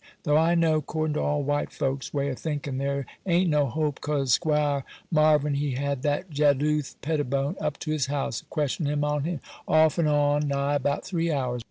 Tho' I know, 'cordin' to all white folks' way o' thinkin', there a'n't no hope, 'cause 'Squire Marvyn he had that Jeduth Pettibone up to his house, a questioning on him off and on, nigh about three hours.